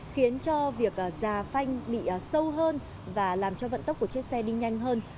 khiến cho việc già phanh bị sâu hơn và làm cho vận tốc của chiếc xe đi nhanh hơn